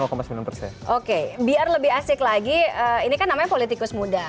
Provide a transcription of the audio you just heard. oke biar lebih asik lagi ini kan namanya politikus muda